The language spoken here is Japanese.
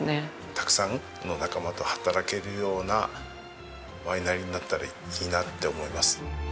たくさんの仲間と働けるようなワイナリーになったらいいなって思います。